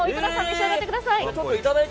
召し上がってください。